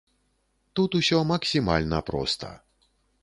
Тут усё максімальна проста.